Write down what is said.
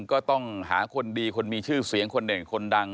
ก็ต้องหาคนดีคนมีชื่อเสียงคนเด่นคนดัง